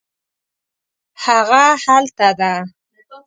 هغه هلته ده